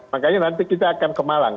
makanya nanti kita akan ke malang